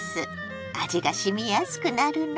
味がしみやすくなるの。